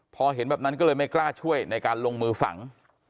พอเห็นแบบนั้นก็เลยไม่กล้าช่วยในการลงมือฝัง